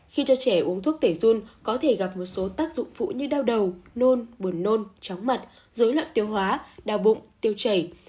khi cho trẻ uống thuốc tẩy run có thể gặp một số tác dụng phụ như đau đầu nôn buồn nôn chóng mặt dối loạn tiêu hóa đau bụng tiêu chảy